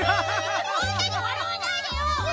そんなにわらわないでよ！